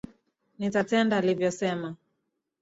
Nitatenda alivyo sema.